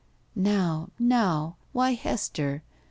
"Now — now! Why, Hester!